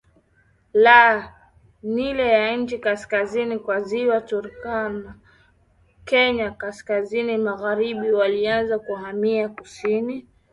la Nile ya chini kaskazini kwa Ziwa Turkana Kenya kaskazini magharibiWalianza kuhamia kusini